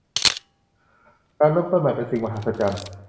การเริ่มต้นใหม่เป็นสิ่งมหัศจรรย์